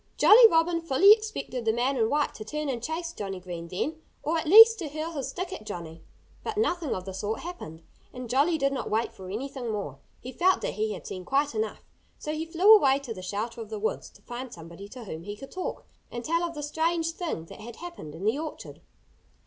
Jolly Robin fully expected the man in white to turn and chase Johnnie Green then or at least to hurl his stick at Johnnie. But nothing of the sort happened. And Jolly did not wait for anything more. He felt that he had seen quite enough. So he flew away to the shelter of the woods, to find somebody to whom he could talk and tell of the strange thing that had happened in the orchard.